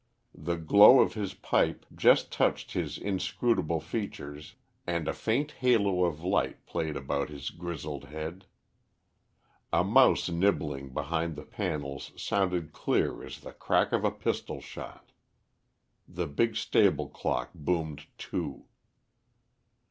The glow of his pipe just touched his inscrutable features and a faint halo of light played about his grizzled head. A mouse nibbling behind the panels sounded clear as the crack of a pistol shot. The big stable clock boomed two.